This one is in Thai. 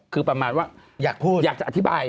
คือประมาณว่าอยากพูดอยากจะอธิบาย